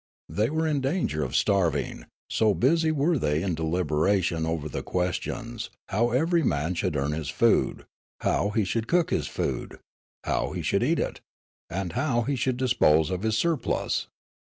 They were in danger of starving, so busy were they in deliberation over the questions, how everj^ man should earn his food, how he should cook his food, how he should eat it, and how he should dispose of his surplus.